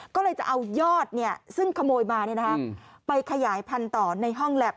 ก็เลยจะเอายอดซึ่งขโมยมาไปขยายพันธุ์ต่อในห้องแล็บ